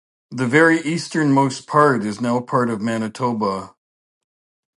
The very easternmost part is now part of Manitoba.